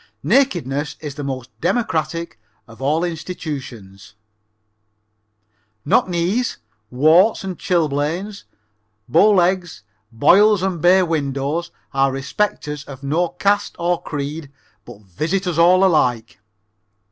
Nakedness is the most democratic of all institutions. Knock knees, warts and chilblains, bowlegs, boils and bay windows are respecters of no caste or creed, but visit us all alike.